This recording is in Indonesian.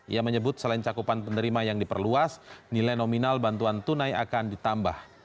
ia menyebut selain cakupan penerima yang diperluas nilai nominal bantuan tunai akan ditambah